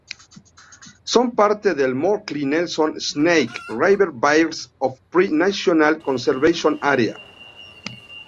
Son parte del Morley Nelson Snake River Birds of Prey National Conservation Area.